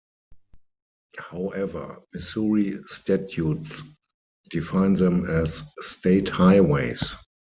However, Missouri statutes define them as "State Highways".